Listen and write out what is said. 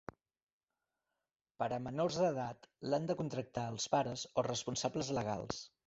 Per a menors d'edat, l'han de contractar els pares o responsables legals.